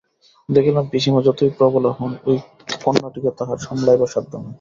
দেখিলাম, পিসিমা যতই প্রবলা হউন এই কন্যাটিকে তাঁহার সামলাইবার সাধ্য নাই।